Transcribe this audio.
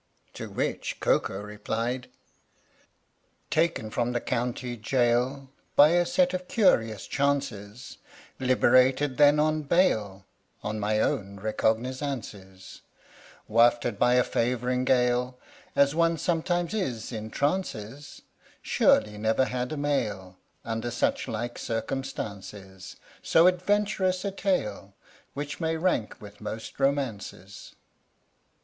To which Koko replied: Taken from the county jail By a set of curious chances, Liberated then on bail On my own recognizances, Wafted by a favouring gale, As one sometimes is in trances, Surely never had a male Under such like circumstances So adventurous a tale Which may rank with most romances!